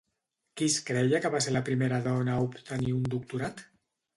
Qui es creia que va ser la primera dona a obtenir un doctorat?